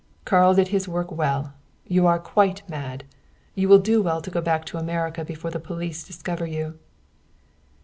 "Karl did his work well. You are quite mad. You will do well to go back to America before the police discover you."